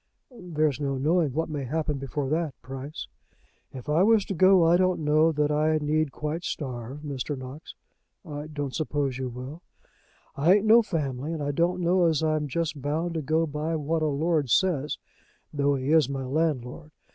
"There's no knowing what may happen before that, Price." "If I was to go, I don't know that I need quite starve, Mr. Knox." "I don't suppose you will." "I ain't no family, and I don't know as I'm just bound to go by what a lord says, though he is my landlord.